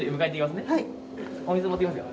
お水持ってきますよ。